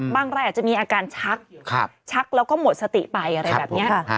รายอาจจะมีอาการชักชักแล้วก็หมดสติไปอะไรแบบนี้